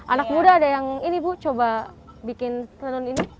anak muda ada yang ini bu coba bikin tenun ini